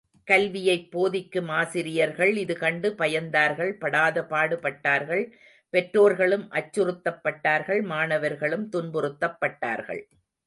கல்வியைப் போதிக்கும் ஆசிரியர்கள் இது கண்டு பயந்தார்கள் படாதபாடு பட்டார்கள் பெற்றோர்களும் அச்சுறுத்தப்பட்டார்கள் மாணவர்களும் துன்புறுத்தப்பட்டார்கள்!